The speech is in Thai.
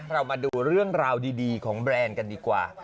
เรามาดูเรื่องราวดีของแบรนด์กันดีกว่า